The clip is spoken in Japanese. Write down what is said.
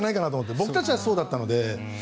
僕たちはそうだったので。